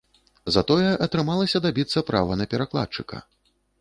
Затое атрымалася дабіцца права на перакладчыка.